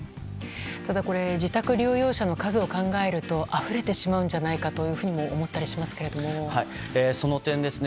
ただ、自宅療養者の数を考えるとあふれてしまうんじゃないかというふうに思ってもしまうんですが。